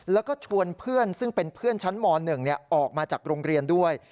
แล้วก็ชวนเพื่อนซึ่งเป็นเพื่อนชั้นม๑ออกมาจากโรงเรียนด้วย